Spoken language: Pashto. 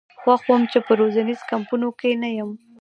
خوښ وم چې په روزنیزو کمپونو کې نه یم.